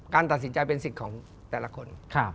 การตัดสินใจเป็นสิทธิ์ของแต่ละคน